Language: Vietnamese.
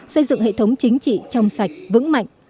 xây dựng hệ thống chính trị trong sạch vững mạnh